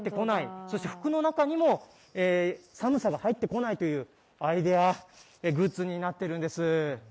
そして服の中にも寒さが入ってこないというアイデアグッズになってるんです。